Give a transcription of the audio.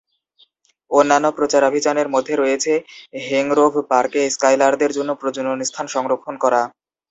অন্যান্য প্রচারাভিযানের মধ্যে রয়েছে হেংরোভ পার্কে স্কাইলারদের জন্য প্রজনন স্থান সংরক্ষণ করা।